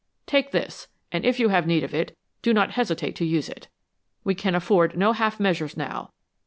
Take this, and if you have need of it, do not hesitate to use it. We can afford no half measures now.